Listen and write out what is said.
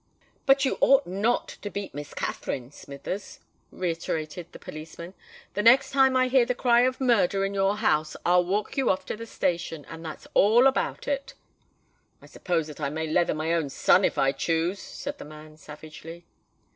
"But you ought not to beat Miss Katherine, Smithers," reiterated the policeman. "The next time I hear the cry of 'Murder' in your house I'll walk you off to the station—and that's all about it." "I suppose that I may leather my own son if I choose?" said the man, savagely.